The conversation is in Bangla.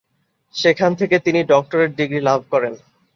সেখান থেকে তিনি ডক্টরেট ডিগ্রী লাভ করেন।